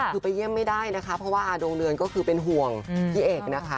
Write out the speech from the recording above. คือไปเยี่ยมไม่ได้นะคะเพราะว่าอาดวงเดือนก็คือเป็นห่วงพี่เอกนะคะ